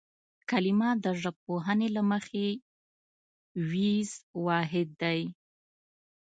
کلمه د ژبپوهنې له مخې وییز واحد دی